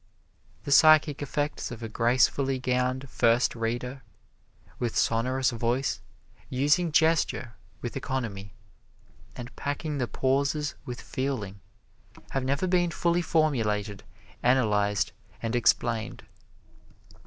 The psychic effects of a gracefully gowned first reader, with sonorous voice, using gesture with economy, and packing the pauses with feeling, have never been fully formulated, analyzed and explained.